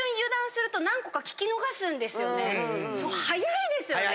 速いですよね。